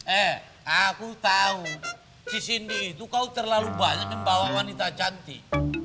eh aku tahu si cindy itu kau terlalu banyak membawa wanita cantik